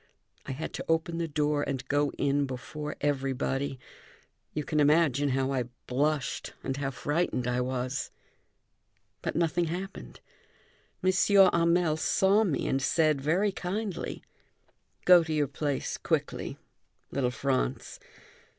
I had to open the door and go in before everybody. You can imagine how I blushed and how frightened I was. But nothing happened, M. Hamel saw me and said very kindly: "Go to your place quickly, little Franz.